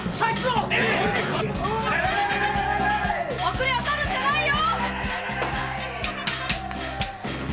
遅れをとるんじゃないよ！